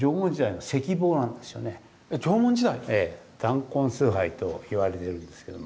男根崇拝といわれてるんですけども。